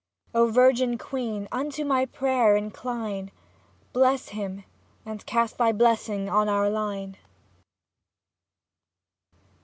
O virgin queen, unto my prayer incline. Bless him and cast thy blessing on our line.